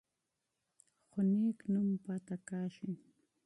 خو نېک نوم پاتې کیږي.